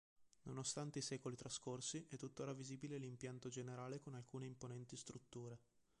Nonostante i secoli trascorsi, è tutt’ora visibile l’impianto generale con alcune imponenti strutture.